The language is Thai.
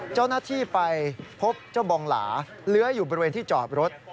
เจ้าหน้าที่ไปพบเจ้าบองหลาเลื้อยอยู่บริเวณที่จอดรถ